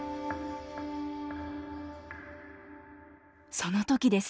その時です。